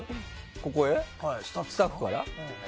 ここで、スタッフから？